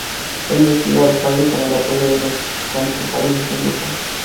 Fue investido alcalde con el apoyo de los concejales de su grupo.